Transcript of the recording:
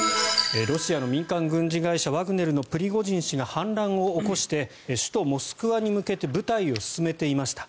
ロシアの民間軍事会社ワグネルのプリゴジン氏が反乱を起こして首都モスクワに向けて部隊を進めていました。